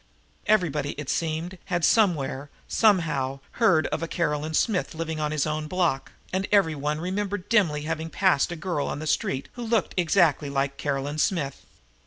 Everybody, it seemed, had, somewhere, somehow, heard of a Caroline Smith living in his own block, and every one remembered dimly having passed a girl on the street who looked exactly like Caroline Smith.